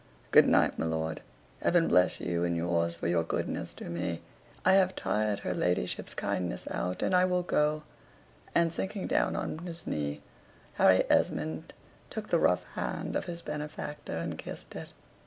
Good night, my lord. Heaven bless you and yours for your goodness to me. I have tired her ladyship's kindness out, and I will go;" and, sinking down on his knee, Harry Esmond took the rough hand of his benefactor and kissed it.